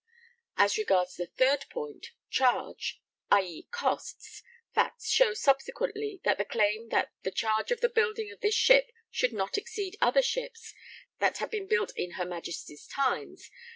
As regards the third point, 'charge,' i.e. costs, facts showed subsequently that the claim that 'the charge of the building of this ship should not exceed other ships that had been built in her Majesty's times